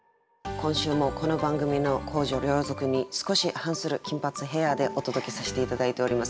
今週もこの番組の公序良俗に少し反する金髪ヘアでお届けさせて頂いております。